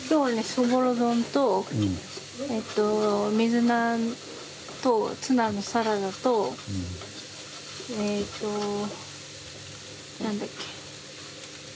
そぼろ丼とえっと水菜とツナのサラダとえと何だっけカブのみそ汁。